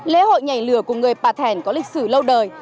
lễ hội nhảy lửa của người bà thẻn có lịch sử lâu đời